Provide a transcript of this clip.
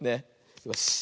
よし。